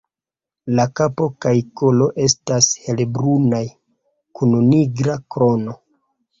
La kapo kaj kolo estas helbrunaj, kun nigra krono.